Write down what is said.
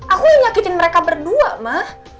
aku yang nyakitin mereka berdua ma